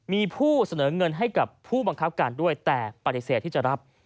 มีผู้เสนอเงินให้กับผู้บังคับการด้วยแต่ปฏิเสธที่จะรับ